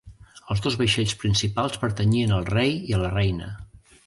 Els dos vaixells principals pertanyien al rei i a la reina.